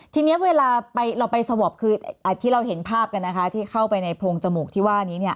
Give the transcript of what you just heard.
ทีนี้เวลาเราไปสวอปคือที่เราเห็นภาพกันนะคะที่เข้าไปในโพรงจมูกที่ว่านี้เนี่ย